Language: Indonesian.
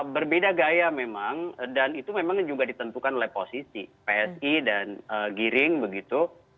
berbeda gaya memang dan itu memang juga ditentukan oleh posisi psi dan giring begitu